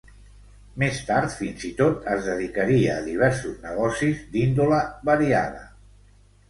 Més tard fins i tot es dedicaria a diversos negocis d'índole variada.